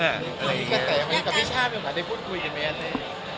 แต่กับพี่ช่าคุยกันไหม